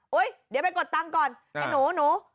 เดี๋ยวไปกดตังค์ก่อนไอ้หนูหนู